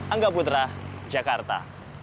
angga putra jakarta